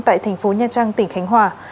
tại tp nha trang tp hcm